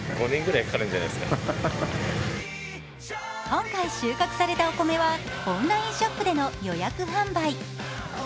今回収穫されたお米はオンラインショップでの予約販売。